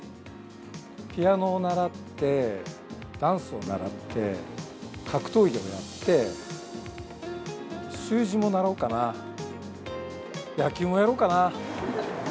ピアノを習って、ダンスを習って、格闘技をやって、習字も習おうかな、野球もやろうかな。